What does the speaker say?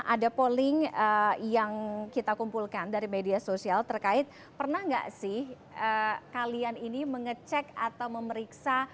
ada polling yang kita kumpulkan dari media sosial terkait pernah nggak sih kalian ini mengecek atau memeriksa